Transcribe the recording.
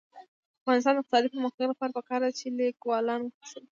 د افغانستان د اقتصادي پرمختګ لپاره پکار ده چې لیکوالان وهڅوو.